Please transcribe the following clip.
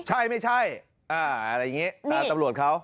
ใช่ไม่ใช่อะไรอย่างนี้ตามตำรวจเขา